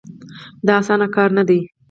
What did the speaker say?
دا اسانه کار نه دی.